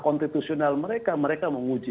kontitusional mereka mereka menguji